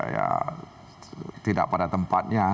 ya tidak pada tempatnya